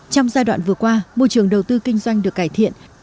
trong giai đoạn vừa qua môi trường đầu tư kinh doanh được cải thiện